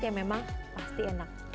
ya memang pasti enak